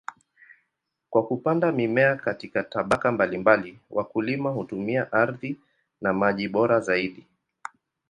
Kwa kupanda mimea katika tabaka mbalimbali, wakulima hutumia ardhi na maji bora zaidi.